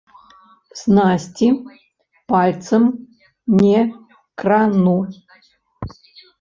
Снасці пальцам не крану.